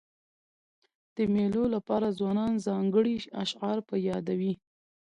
د مېلو له پاره ځوانان ځانګړي اشعار په یادوي.